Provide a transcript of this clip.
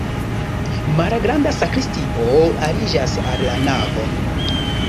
Malgranda sakristio aliĝas al la navo.